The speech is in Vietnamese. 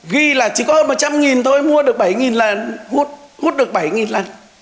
ghi là chỉ có hơn một trăm linh tôi mua được bảy lần hút được bảy lần